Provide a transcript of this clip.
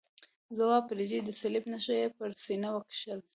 ځواب پرېږدئ، د صلیب نښه یې پر سینه وکښل.